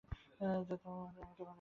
মহেন্দ্র আমাকে ভালোবাসে।